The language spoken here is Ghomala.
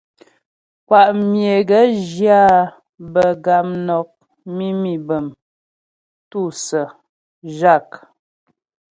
Kwá myə é gaə̌ zhyə áa bə̌ gamnɔk, mimî bəm, tûsə̀ə, zhâk.